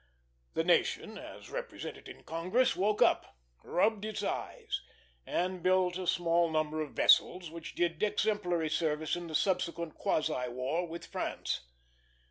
The nation, as represented in Congress, woke up, rubbed, its eyes, and built a small number of vessels which did exemplary service in the subsequent quasi war with France.